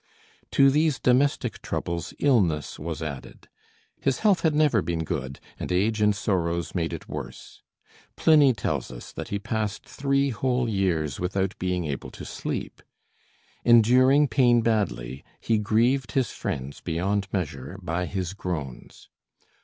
To these domestic troubles illness was added. His health had never been good, and age and sorrows made it worse. Pliny tells us that he passed three whole years without being able to sleep. Enduring pain badly, he grieved his friends beyond measure by his groans.